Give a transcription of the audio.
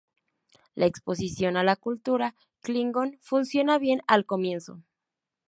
La exposición a la cultura Klingon funciona bien al comienzo.